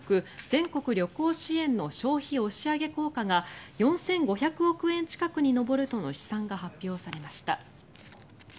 全国旅行支援の消費押し上げ効果が４５００億円近くに上るとの試算が発表されました。